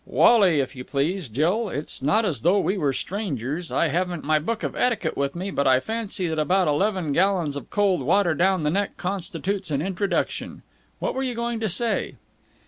"Wally, if you please, Jill. It's not as though we were strangers. I haven't my book of etiquette with me, but I fancy that about eleven gallons of cold water down the neck constitutes an introduction. What were you going to say?"